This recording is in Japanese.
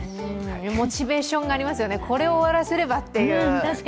モチベーションがありますよね、これをやらせればという。